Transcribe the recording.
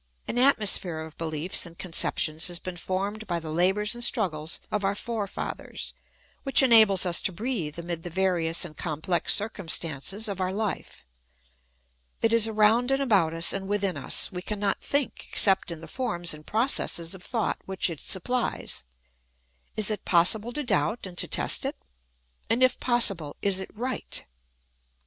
An atmo sphere of beliefs and conceptions has been formed by the labours and struggles of our forefathers, which enables us to breathe amid the various and complex circumstances of our hfe. It is around and about us and within us ; we cannot think except in the forms and processes of thought which it supphes. Is it pos sible to doubt and to test it? and if possible, is it right